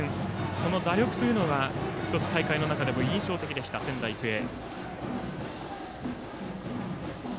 その打力というのが１つ、大会の中でも印象的でした、仙台育英。